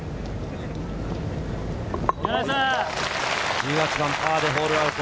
１８番、パーでホールアウト。